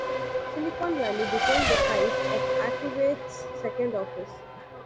Silicon Valley became the site of Activate's second office.